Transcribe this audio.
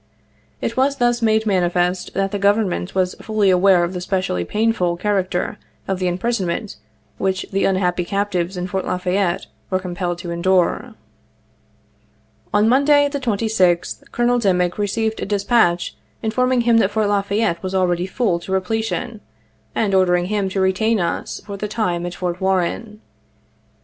It was thus made manifest that the Government was fully aware of the specially painful character of the imprisonment which the unhappy captives in Fort La Fayette were compelled to endure. On Monday, the 26th, Colonel Dimick received a dis patch informing him that Fort La Fayette was already full to repletion, and ordering him to retain us for the time at Fort Warren.